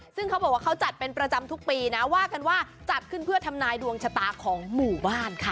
ซึ่งเขาบอกว่าเขาจัดเป็นประจำทุกปีนะว่ากันว่าจัดขึ้นเพื่อทำนายดวงชะตาของหมู่บ้านค่ะ